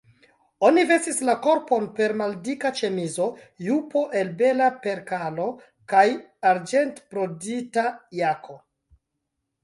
Oni vestis la korpon per maldika ĉemizo, jupo el bela perkalo kaj arĝentbrodita jako.